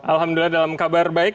alhamdulillah dalam kabar baik